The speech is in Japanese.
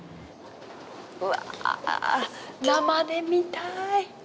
うわ、生で見たい。